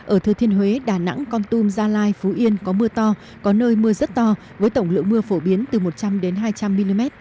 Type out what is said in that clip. ở thừa thiên huế đà nẵng con tum gia lai phú yên có mưa to có nơi mưa rất to với tổng lượng mưa phổ biến từ một trăm linh hai trăm linh mm